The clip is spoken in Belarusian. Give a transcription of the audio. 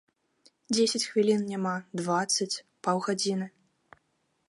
Дзесяць хвілін няма, дваццаць, паўгадзіны.